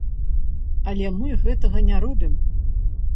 Але мы гэтага не робім.